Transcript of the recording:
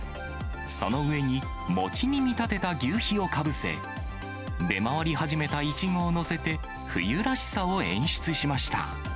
その上に餅に見立てた求肥をかぶせ、出回り始めたいちごを載せて、冬らしさを演出しました。